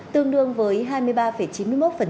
tương đương với hai mươi ba chín mươi một